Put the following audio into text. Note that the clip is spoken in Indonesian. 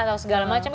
atau segala macam